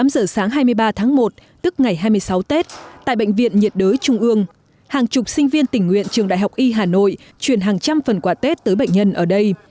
tám giờ sáng hai mươi ba tháng một tức ngày hai mươi sáu tết tại bệnh viện nhiệt đới trung ương hàng chục sinh viên tình nguyện trường đại học y hà nội truyền hàng trăm phần quả tết tới bệnh nhân ở đây